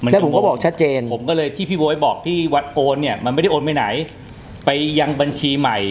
แล้วผมก็บอกชัดเจนผมก็เลยที่พี่บ๊วยบอกที่วัดโอนเนี่ยมันไม่ได้โอนไปไหนไปยังบัญชีใหม่